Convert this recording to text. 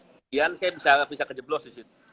kemudian saya bisa kejeblos di situ